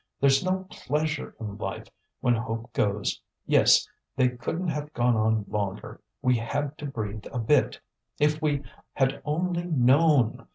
There's no pleasure in life when hope goes. Yes, that couldn't have gone on longer; we had to breathe a bit. If we had only known!